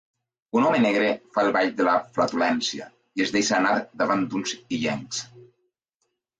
Un home negre fa el ball de la flatulència i es deixar anar davant d'uns illencs.